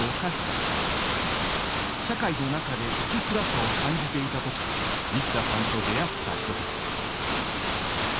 社会の中で生きづらさを感じていた時西田さんと出会った人たちです。